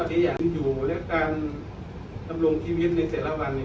ดีอย่างอยู่และการดำรวมชีวิตในเสียงละวันนี่